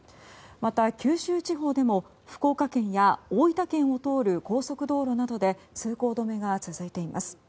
また、九州地方でも福岡県や大分県を通る高速道路などで通行止めが続いています。